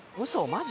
マジ？